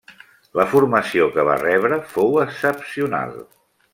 La formació que va rebre fou excepcional.